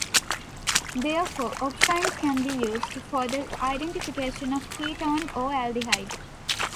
Therefore, oximes can be used for the identification of ketone or aldehyde.